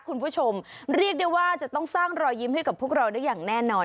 คุณผู้ชมเรียกได้ว่าจะต้องสร้างรอยยิ้มให้กับพวกเราได้อย่างแน่นอน